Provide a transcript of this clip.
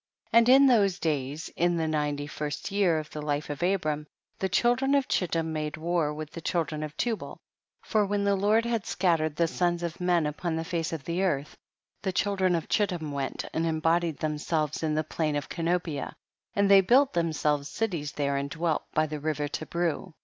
And in those days, in the nine ty first year of the life of Abram, the children of Chittim made war with the children of Tubal, for when the Lord had scattered the sons of men upon the face of the earth, the chil dren of Chittim went and embodied themselves in the plain of Canopia, and they built themselves cities there and dwelt by the river Tibreu.